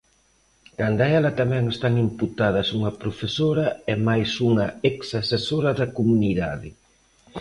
Canda ela tamén están imputadas unha profesora e mais unha exasesora da comunidade.